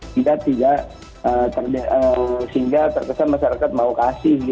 sehingga terkesan masyarakat mau kasih